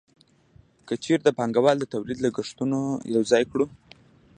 که چېرې د پانګوال د تولید لګښتونه یوځای کړو